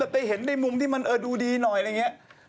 ได้เห็นในมุมที่มันดูดีหน่อยอะไรอย่างนี้